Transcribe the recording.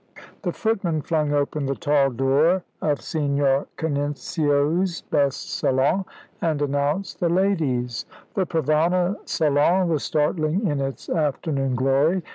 The footman flung open the tall door of Signor Canincio's best salon, and announced the ladies. The Provana salon was startling in its afternoon glory.